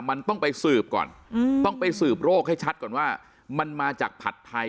มันต้องไปสืบก่อนต้องไปสืบโรคให้ชัดก่อนว่ามันมาจากผัดไทย